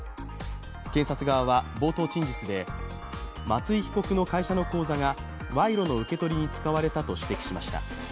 検察側は冒頭陳述で松井被告の会社の口座が賄賂の受け取りに使われたと指摘しました。